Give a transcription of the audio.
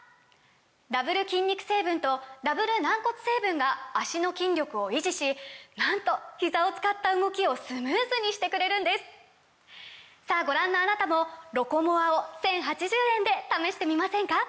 ダブル筋肉成分とダブル軟骨成分が脚の筋力を維持しなんとひざを使った動きをスムーズにしてくれるんですさぁご覧のあなたも「ロコモア」を１，０８０円で試してみませんか！